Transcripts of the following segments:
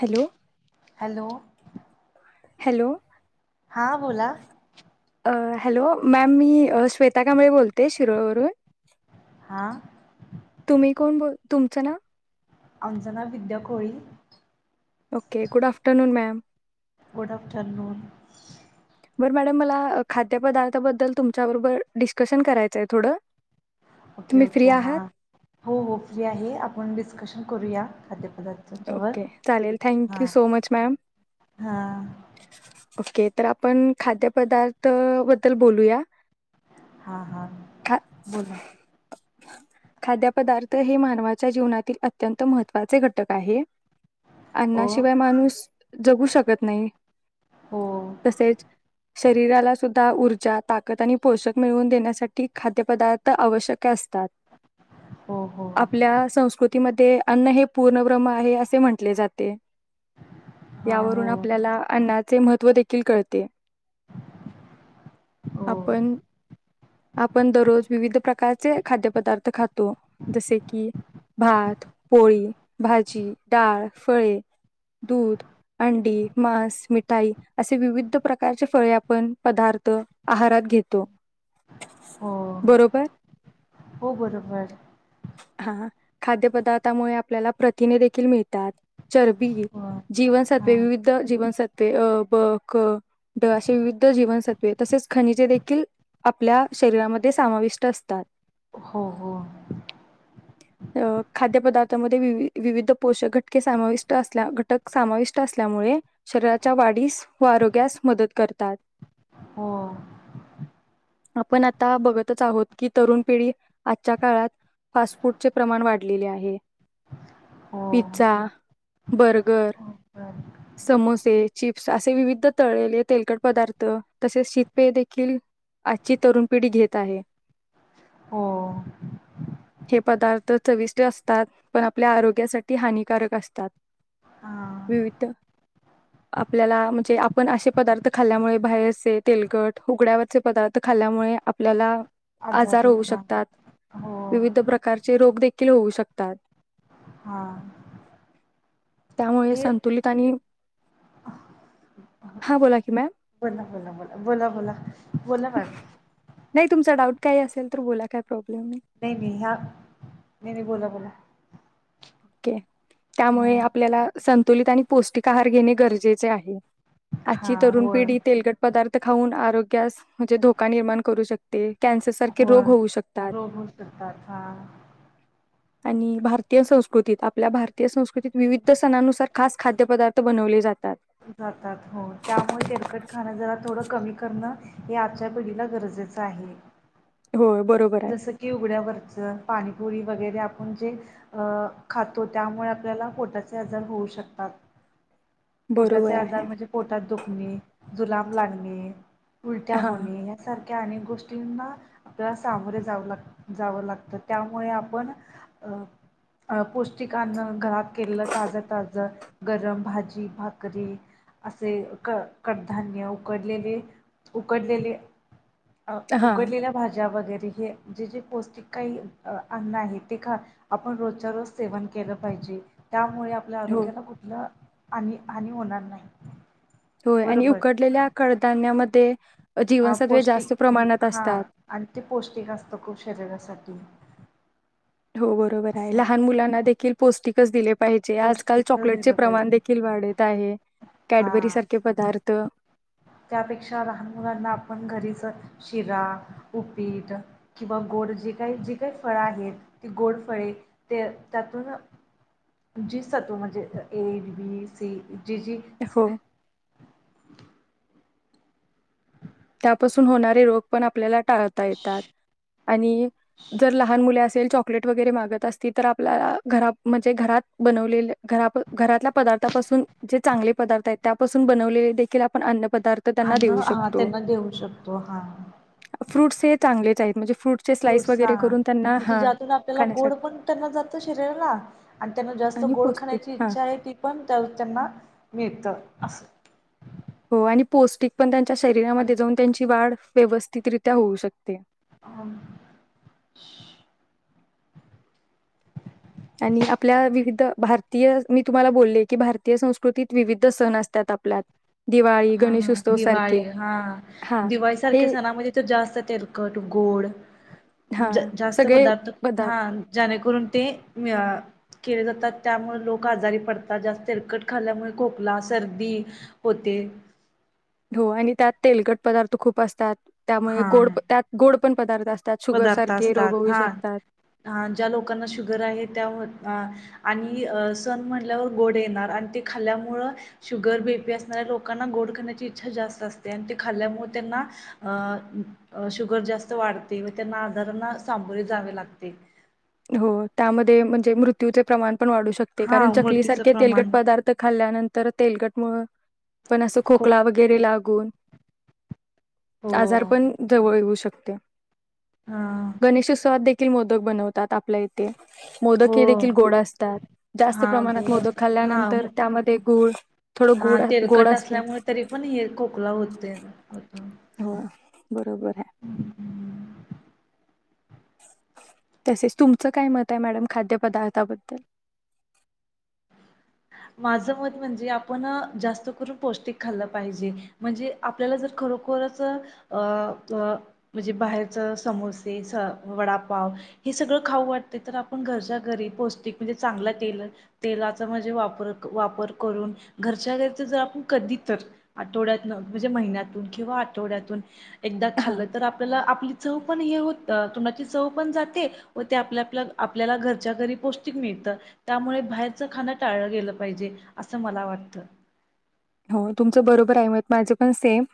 Hello hello. Hello. हां बोला. अ हॅलो, मॅम मी श्वेता कांबळे बोलते, शिरोळवरून. हां तुम्ही कोण बोल तुमचं नाव? Anjana Vidya Koli. Okay good afternoon ma'am. Good afternoon. बरं मॅडम मला खाद्यपदार्थाबद्दल तुमच्या बरोबर डिस्कशन करायचंय थोडं. ओके तुम्ही ओके फ्री हा आहात? हो हो फ्री आहे आपण डिस्कशन. करूया. खाद्यपदार्थांच्यावर ओके चालेल थँक्यू सो मच मॅम. हा हा. ओके तर आपण खाद्यपदार्थ बद्दल बोलूया. हा हा खा बोला. खाद्यपदार्थ हे मानवाच्या जीवनातील अत्यंत महत. महत्वाचे घटक आहे हो अण्णाशिवाय माणूस. जगू शकत नाही. हो तसेच. शरीराला सुद्धा ऊर्जा, ताकद आणि पोषक मिळवून देण्यासाठी खाद्यपदार्थ आवश्यक असतात. हो हो आपल्या संस्कृती. म ते अन्न हे पूर्ण ब्रह्म आहे असे म्हंटले जाते. हां यावरून हो आपल्याला त्याचे महत्व देखील कळते. हो आपण आपण दररोज विविध प्रकार प्रकारचे खाद्यपदार्थ खातो जसे की भात, पोळी, भाजी, डाळ, फळे, दूध, अंडी, मांस. मिठाई असे विविध प्रकारचे फळे आपण पदार्थ आहारात घेतो हो बरोबर. हो बरोबर. हा खाद्यपदार्थामुळे आपल्याला प्रतिने देखील मिळतात चरबी हो जीवनसत्वे हां विविध जीवनसत्व ब क ढ अे विविध जीवनसत्वे तसेच खनिजे देखील आपल्या शरीरामध्ये समाविष्ट असतात हो हो अ खाद्यपदार्थामध्ये वि विविध पोषक घटके समाविष्ट असल्या घटक समाविष्ट असल्यामुळे शरीरात वाढीस व आरोग्यास मदत करतात हो आपण आता बघतच आहोत की तरुण पिढी आजच्या काळात फास्ट फूडचे प्रमाण वाढलेले आहे हो पि्झा बर्गर बर समोसे चिप्स असे विविध तळेले तेलकट पदार्थ तसेच शीतपे देखील आजची तरुण पिढी घेत आहे हो हे पदार्थ चविष्ट असतात पण आपल्या आरोग्यासाठी हानिकारक असतात हां विविध आपल्याला म्हणजे आपण असे पदार्थ खाल्ल्यामुळे बाहेरचे तेलकट उघड्यावरचे पदार्थ खाल्ल्यामुळे आपल्याला आजार आजारी होऊ हां शकतात हो विविध प्रकारचे रोग देखिल होऊ शकतात. हा. [unintelligible] त्यामुळे संतुलित आणि हा बोला की मॅम बोला बोला बोला बोला बोला बोला मॅडम काय असेल तर बोला काय प्रॉब्लेम. नाही नाही हा नाही नाही बोला बोला टक्के त्यामुळे ह आपल्याला संतुलित आणि पौष्टिक आहार घेणे गरजेचे आहे. हा आजची तरुण होय पिढी तेलकट पदार्थ खाऊन आरोग्यास, म्हणजे धोका निर्माण करू शकते. कॅन्सर सारखे हो रोग होऊ शकतात. रोग शकतात ह आणि भारतीय संस्कु संस्कृतीत आपल्या भारतीय संस्कृतीत विविध सणानुसार खास खाद्यपदार् बनवले जात जातात हो त्यामुळे तेरकट खाणं जरा थोडं कमी करणं हे आजच्या पिढीला गरजेचं आहे होय बरोबर आहे. जसं की उघड्यावर पाणीपुरी वगरे आपण जे खातो त्यामुळे आपल्याला पोटाचे आजार होऊ शकतात बरोबर पोटाचे आहे. आजार म्हणजे पोटात दुखण आणि जुलाब लागणे उलट्या हा होणे यासारख्या अक गोष्टींना आपल्या सामरे जाव लाग जावं लागतं त्यामुळे आपण पौष्टिक अन्न घरात केलं ताज ताज गरम भाजी भाकरी असे क कडधान्य उकडलेले उकडलेले अ हा उघडलेल्या भाज्या वगैर हे जे जे पौष्टिक काही अन्न आहे ते ख आपण रोजच्या रोज सेवन केलं पाहिजे त्यामुळे आपल्या हो आरोग्याला कुठलं आणि हानी होणार नाही. होय आणि बरोबर उकडलेल्या कडधान्यामध्ये ते आ पौष्टिक हा आणि ते पौष्टिक असतं खूप शरीरासाठी हो बरोबर आहे असं लहान मुलांना देख पौष्टिक च दिले पाहिजे आजकाल पौष्टिकच चॉकलेट चे दिलं प्रमाण पाहिजे देखील वाढत आहे. कॅडबरी हा सारखे पदार्थ त्यापेक्षा लहान मुलांना आपण घरीच शिरा उपीट किंवा गोड जे काही जे काही फळं आहेत ती गोड फळे ते त्यातून जी सत्व म्हणजे ए बी सी जी जी हो, त्यापासून होणारे रोग पण आपल्याला टाळता येतात. आणि जर लहान मुले असेल चॉकलेट वगैरे मागत असतील तर आपल्याला घरा घर म्हणजे घरात बनवले घरातल्या पदार्थापासून जे चांगले पदार्थ आहेत त्यापासून बनवलेलेखील आपण अन्न पदार्थ त्यांना अन्न देऊ हा शकतो. त्यांना देऊ शकतो हा फ्रुट्स [unintelligible] स्लाईस फ्रूट्स हा वगैरे करून त्यांना म्हणजे हां, ज्यातून आपल्याला गोड खाण्यासाठी पण त्यांना जातं शरीराला आणि त्यांना जास्त आणि गोड पौष्टिक खाण्याची हां. इच्छा आहे ती पण त्यांना मिळत. असं हो आणि पौष्टिक पण त्यांना च्या आणि शरीरामध्ये जाऊन त्यांची वाढ व्यवस्थितरित्या होऊ शकते. आम आणि आपल्या विविध भारतीय मी तुम्हाला बोलले की भारतीय संस्कृतीत विविध सण असत्यात आपल्यात दिवाळी, हा गणेशोत्सव सारखे दिवाळी हा हां दिवाळी हे सारख्या सणामध्ये तर जास्त तेलकट गोड हां जास्त सगळे पदार्थ हा ज्याणेकरून ते केले जातात त्यामुळ लोक आजारी पडतात, जास्त तेलकट खाल्ल्यामुळे खोकला, सर्दी होते. हो आणि त्यात तेलकट पदार्थ खूप असतात. त्यामुळे हा गोड त्यात गोड पण पदार्थ असतात शुगर पदार्थ सारखे रोग असतात होऊ हा शकतात हा ज्या लोकांना शुगर आहे त्या आणि सण म्हणल्यावर गोड येणार आणि ते खाल्ल्यामुळं शुगर बी पी असणाऱ्या लोकांना गोड खाण्याची इच्छा जास्त असते आणि ते खाल्ल्यामुळं त्यांना अं अ शुगर जास्त वाढत ते व्ह त्यांना आजारांना सामोरे जावे लागते. हो त्यामध्ये म्हणजे मृत्यूचे प्रमाण पन वाढू शकते हा कारण मृत्यूचं चकलीसारखे तेलकट प्रमाण पदार्थ खाल्ल्यानंतर तेलकट मग पण असं खूप खोकला वगैरे लाग गुण हो आजार पण जवळ येऊ शकते. हां गणेशोत्सवात दे ती मोदक बनव तात आपल्या इथे मोदक हो हे देखील गोड असतात, जास्त हां प्रमाणात गोड अस मोदक हां खाल्ल्यानंतर त्यामध्ये गुळ थोडं हां गुड गोड तेलकट असतय. असल्यामुळे तरी पण हे खोकला होते होतो हो बरोबर आहे. हम्म. तसेच तुमचं काय मत आहे मॅडम खाद्यपदार्थाबद्दल माझं मत म्हणजे आपण जास्त करून पौष्टिक खाल्लं पाहिजे म्हणजे आपल्याला जर खरोखरच अ अ म्हणजे बाहेरच समोसे स वडापाव हे सगळं खाऊ वाटतय तर आपण घरच्या घरी पौष्टिक म्हणजे चांगलं तेल तेलाच म्हजे वापर वापर करून घरच्या घरी कधीतर आठवड्यतन म्हणजे महिण्यातून किंवा आठवड्यतून एकदा हा खाल्लं तर आपल्याला आप आपली चव पण हे होत तोंडाची चव पण जाते व ते आपल्या आपल्याला घरच्या घरी पौष्टिक मिळत त्यामुळे बाहेरचं खाण टाळलं गेलं पाहिजे असं मला वाटत हो तुमचं बरोबर आहे मत माझं पण सेम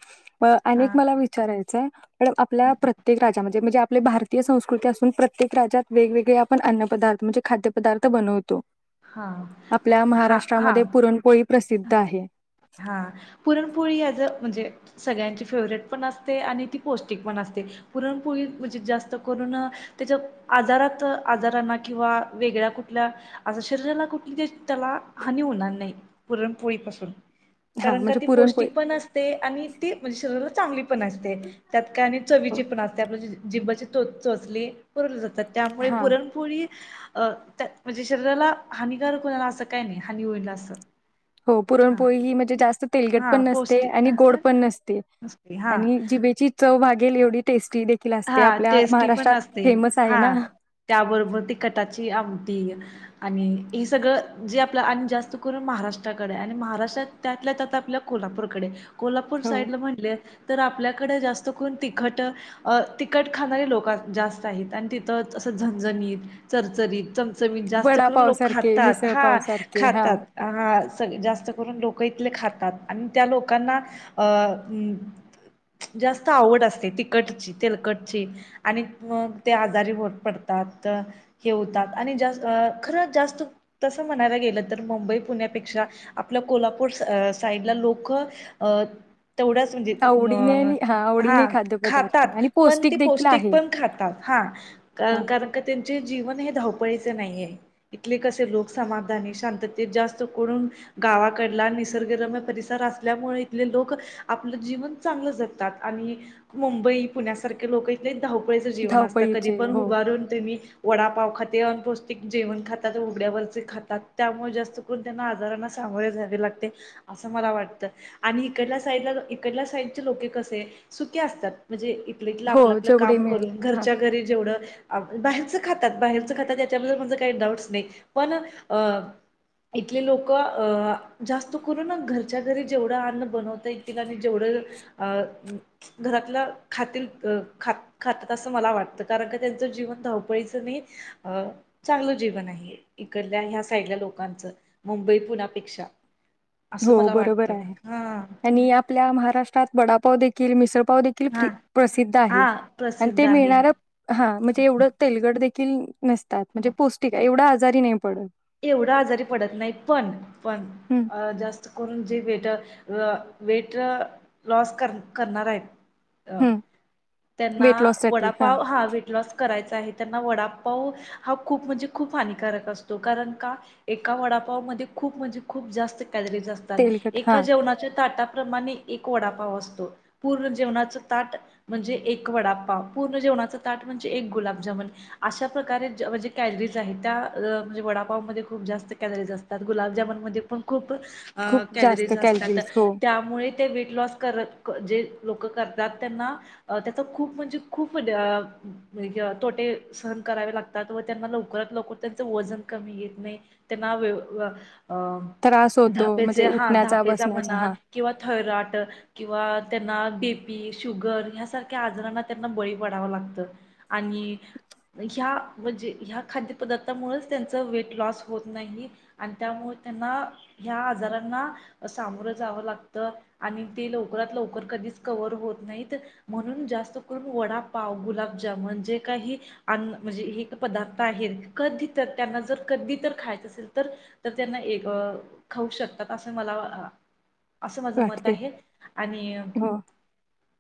म अनेक हां मला विचाराय च पण आपल्या प्रत्येक राज्या म्हणजे म्हणजे, आपली भारतीय संस्कृती असून प्रत्येक राज्यात वेगवेगळे आपण अन्न पदार्थ म्हणजे खाद्य पदार्थ बनवतो. हां आपल्या हां महाराष्ट्रामध्ये पुरणपोळी प्रसिद्ध आहे. हा पुरणपोळी याज अ म्हणजे, सगळ्यांची फेवरेट पण असते आणि ती पौष्टिक पण असते. पुरणपोळी म्हणजे, जास्त करून त्याच्या आजारात, आजारांना किंवा वेगळ्या कुठल्या शरीराला कुठली त्याला हानी होणार नाही‌. पुरणपोळीपासून हां कारण का म्हणजे ती पुरणपोळी पौष्टिक पण असते आणि ती म्हणजे, शरीराला चांगली. पण असते त्यात का आणि हो. चवीची पण असते आप जिं्बाचे तो चोचले [unintelligible] तर त्यामुळे हां. पुरणपोळी अ त्या म्हणजे, शरीराला हानिकारक होणारा असं काही नाही, हानी होईल असं. हो हा पुरणपोळी ही म्हणजे, जास्त तेलगट पण हा नसते पौष्टिक आणि असते गोड पण ना. नसते असते हा आणि जिभेची च भाघेल एवढी टेस् हा, टेस्टी पण असते. फेमस आहे हा, ना. त्याबरोबर तिखटाची आमटी आणि हे सगळं जे अन जास्त करून महाराष्ट्राकडे आणि महाराष्ट्रात त्यातल्या त्यात आपल्या कोल्हापूरकडे कोल्हापूर हो साईडला म्हटल तर आपल्याकड जास्त कोन तिखट तिखट खाणारे लोकं जास्त आहेत आणि तिथं तसं झणझणीत चरचरीत जास्त करून वडापाव लोक सारखे, खातात हा मिसळपाव सारखे खातात हां. हा. जास्त करून लोक इथले खातात आणि त्या लोकांना अ जास्त आवड असते तिकटची. तेलकटची आणि मग ते आजारी होत पडतात हे होतात आणि खरं जास्त तसं म्हणायला गेलं तर मुंबई पुण्यापेक्षा आपल्या कोल्हापूर साईडला लोक तेवढंच म्हणजे, आवडीने अ आणि हां आवडीने हा खाद्यपदार्थ खातात. आणि पण ते देखील पौष्टिक आहे. पण खातात. हा हां कारण त्यांचे जीवन हे पैसे नाहीया इथले कसे लोक समाधानी शांततेत जास्त कोरून गावाकडला निसर्गरम्य परिसर असल्यामुळे इथले लोक आपलं जीवन चांगलं जगतात आणि मुंबई पुण्यासारखे लोक इथ [unintelligible] जेवण असत कधी धावपळीचे पण हो. उभारून तुम्ही वडापाव खाद्य जेवण खातात उघड्यावरचे खातात त्यामुळे जास्त करून त्यांना आजारांना सामोरे जावे लागते. असं मला वाटतं आणि इकडल्या साईडला इकडल्या साईडचे लोके कसे सुके असतात म्हणजे इथलं इथलं हो आपलं आपलं जेवढे काम मिळेल करून हां घरच्या घरी जेवढं बाहेरचं खातात बाहेरचं खातात याच्याबद्दल माझं काही डाऊटस नाही पण अ इथले लोक अ जास्त करून घरच्या घरी जेवढं अन्न बनवता येतील आणि जेवढं अ घरातलं खातील खात खातात असं मला वाटतं कारण का त्यांचं जीवन धावपळीचं नाही अ चांगलं जीवन आहे इकडल्या ह्या साईडल्या लोकांचं मुंबई पुण्यापेक्षा. असं हो, मला बरोबर वाटतं आहे हा आणि आपल्या महाराष्ट्रात वडापाव दे [unintelligible] [unintelligible] देखील हा प्रसिद्ध आहे हा आणि प्रसिद्ध ते आहे मिळणार हा म्हणजे, एवढ तेलगट [inaudible] नसतात म्हणजे पौष्टिक आहे एवढा [unintelligible] एवढा आजारी पडत नाही पण पण हं जास् करून जे वेट वेट लॉस कर करणार आहेत. अ हं त्यांना वेट लॉस साठी वडापाव हा भेट लॉस करायचा आहे त्यांना वडापाव हा खूप म्हणजे खूप हानिकारक अस तो कारण का एका वडापाव मध्ये खूप म्हणजे खूप जास्त कॅलरीज असतात तेलकट हा एका जेवणाच्या ताटात प्रमाणे एक वडापाव असतो पूर्ण जेवणाच ताट म्हणजे एक वडापाव पूर्ण जेवणाच ताट म्हणजे एक गुलाबजामन अशा प्रकारे म्हणजे कॅलरीज आहे त्या अ म्हणजे वडापावमध्ये खूप जास्त कॅलरीज असतात. गुलाबजामुनमध्ये पण खूप खूप जास्त कॅलरीज असतात कॅलरीज हो त्यामुळे ते वेट लॉस करत जे लोक करतात त्यांना त्याच खूप म्हणजे खूप अ तोटे सहन करावे लागतात व त्यांना लवकरात लवकर त्यांच वजन कमी येत नाही त्यांना वे व अ त्रास होतो धापेचे म्हणजे हा उठण्याचा धापेचा बसण्याचा म्हणा हा किंवा थायरॉट किंवा त्यांना बीप पी, शुगर यासारख्या आजारांना त्यांना बळी पडावं लागतं आणि या म्हणजे या खाद्यपदार्थामुळच त्यानं वेट लॉस होत नाही आणि त्यामुळे त्यांना ह्या आजारांना सामोरं जावं लागतं आणि ते लवकरात लवकर कधीच कव्हर होत नाहीत. म्हणून जास्त करून वडापाव, गुलाबजाम जे काही अन्न हिट पदार्थ आहेत कधी तर त्यांना जर कधी तर खायचं असेल तर तर त्यांना एक अ खाऊ शकतात असं मला वा अ असं माझं मत वाटते आहे आणि हो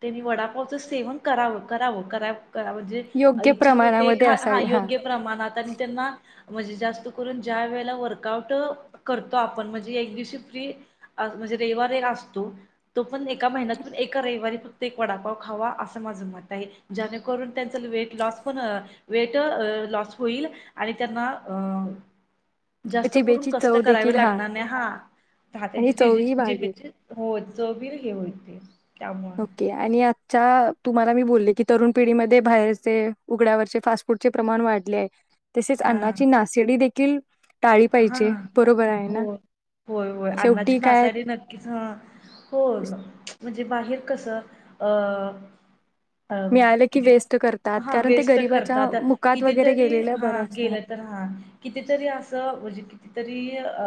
तेनी वडापावचं सेवन करावं करावं कराव करावं जे योग्य इच्छा होते ख प्रमाणामध्ये हा असावे योग्य प्रमाणात आणि त्यांना म्हणजे जास्त करून ज्या वेळेला वर्कआउट करतो आपण म्हणजे एक दिवशी फ्री म्हणजे रयवार ऐक असतो तो पण एका महिन्यातून एका रयवारी फक्त एक वडापाव खावा असं माझं मत आहे. ज्यानेकरून त्यांच वेट लॉस पण वेट लॉस होईल. आणि त्यांना अ जास्त करून जिबेची कष्ट चव करावे देखील हा लागणार नाही हा हा त्याचे आणि जी चवही वाढेल. जीबीची हो चव गेलेली ये [unintelligible] ओके आणि आजच्या तुम्हाला मी बोल की तरुण पिढीमध्ये बाहेरचे उघड्यावरचे फास्ट फूडचे प्रमाण वाढले ये तसेच हा अन्नाची नाशिडी देख किल हा हो होय होय शेवटी अन्नाची काय नासाडी नक्कीच ह हो म्हणजे बाहेर कसं अ अ मिळालं की किती वेस्ट करतात हा कारण ते वेस्ट गरीबाच्या करतता मुकात वगैरे कितीतरी गेलेलं हा बरं असत गेलं तर हा कितीतरी असं म्हणजे कितीतरी अ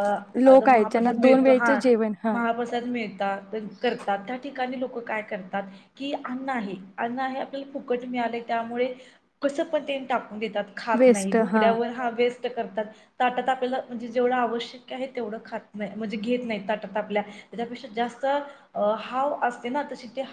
आता लोक आहेत ज्यांना महाप्रसाद दोन मिळतो. वेळच हा जेवण हा महाप्रसाद मिळतात करतात त्या ठिकाणी हल्ली लोक काय करतात की अन्न आहे अन्न आहे आपल्याला फुकट मिळालय त्यामुळे कसं पण तेन टाकु देतात खात नाही उघड्यावर हा वेस् स्ट करतात ताटात आ आपल्याला म्हणजे जेवढं आवश्यक आहे, तेवढं खात नाही म्हणजे घेत नाही ताटात आपल्या त्यापेक्षा जास्त अ हाव असते ना तशी ती हाव